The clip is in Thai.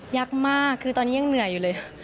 ยากมากคือตอนนี้ยังเหนื่อยอยู่เลย